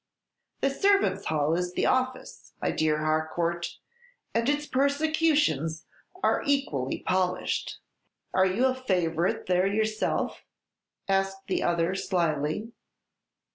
The servants' hall is the Office, my dear Harcourt, and its persecutions are equally polished." "Are you a favorite there yourself?" asked the other, slyly.